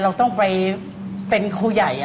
เราต้องไปเป็นครูใหญ่